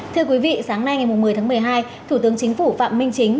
thưa quý vị sáng nay ngày một mươi tháng một mươi hai thủ tướng chính phủ phạm minh chính